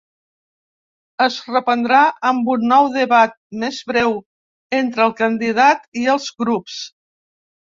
Es reprendrà amb un nou debat, més breu, entre el candidat i els grups.